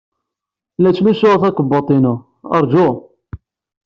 La ttlusuɣ takebbuḍt-inu. Ṛju!